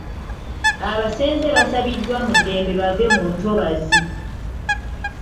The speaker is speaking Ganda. Abasenze basabiddwa mu ddembe bave mu ntobazi.